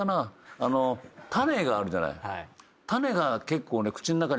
種があるじゃない。